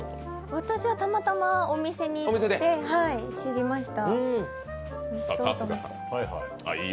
私はたまたまお店に行って知りました。